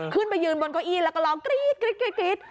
ขึ้นไปยืนบนเก้าอี้แล้วก็ร้องกรี๊ด